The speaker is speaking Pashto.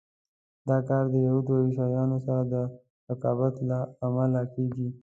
دا کار د یهودو او عیسویانو سره د رقابت له امله کېږي.